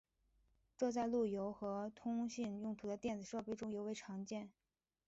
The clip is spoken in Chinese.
这在路由和通信用途的电子设备中尤为常见。